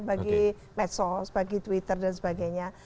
bagi medsos bagi twitter dan sebagainya